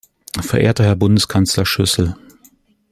Verehrter Herr Bundeskanzler Schüssel!